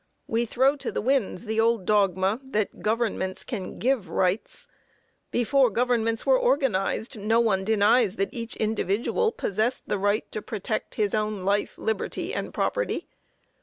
We throw to the winds the old dogma that governments can give rights. Before governments were organized, no one denies that each individual possessed the right to protect his own life, liberty and property.